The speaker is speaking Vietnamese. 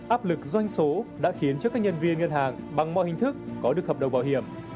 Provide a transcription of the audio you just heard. áp lực doanh số đã khiến cho các nhân viên ngân hàng bằng mọi hình thức có được hợp đồng bảo hiểm